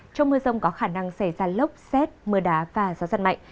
trong mưa rông có khả năng xảy ra lốc xét mưa đá và gió giật mạnh